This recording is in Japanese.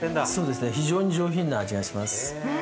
非常に上品な味がします。